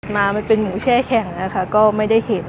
มามันเป็นหมูแช่แข็งนะคะก็ไม่ได้เห็น